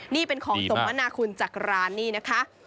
นี่เป็นของสมนาคุณจากร้านนี่นะคะ